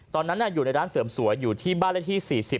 ตอนนั้นอยู่ในร้านเสริมสวยอยู่ที่บ้านเลขที่๔๐